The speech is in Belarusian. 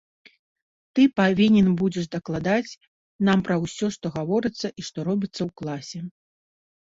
Ты павінен будзеш дакладаць нам пра ўсё, што гаворыцца і што робіцца ў класе.